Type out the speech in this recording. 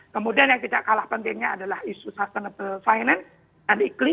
kemudian yang tidak kalah pentingnya adalah isu sustainable finance dan iklim